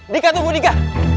dika tunggu dika